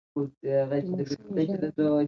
د ماشومې ژړا